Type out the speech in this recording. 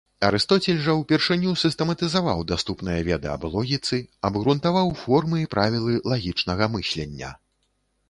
Арыстоцель жа ўпершыню сістэматызаваў даступныя веды аб логіцы, абгрунтаваў формы і правілы лагічнага мыслення.